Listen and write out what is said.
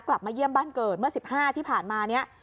กลับมาเยี่ยมบ้านเกิดเมื่อ๑๕ที่ผ่านมาเนี่ย